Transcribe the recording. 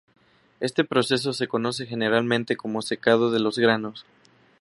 Este proceso se conoce generalmente como secado de los granos.